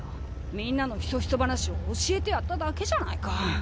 みんなのひそひそ話を教えてやっただけじゃないか。